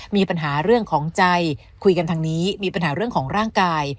มีปัญหาเรื่องของใจคุยกันทางนี้มีปัญหาเรื่องของร่างกาย